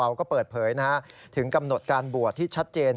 เปิดเผยถึงกำหนดการบวชที่ชัดเจน